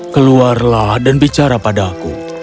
keluarlah dan bicara padaku